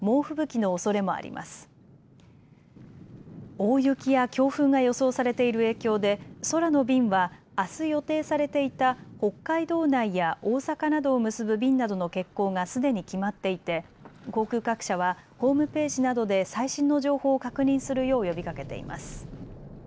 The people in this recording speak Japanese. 大雪や強風が予想されている影響で空の便はあす予定されていた北海道内や大阪などを結ぶ便などの欠航がすでに決まっていて航空各社はホームページなどで最新の情報を確認するよう呼びかけています。